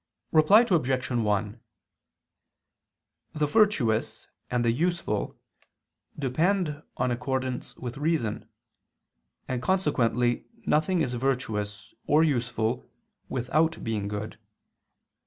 Reply Obj. 1: The virtuous and the useful depend on accordance with reason, and consequently nothing is virtuous or useful, without being good.